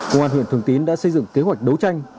công an huyện thường tín đã xây dựng kế hoạch đấu tranh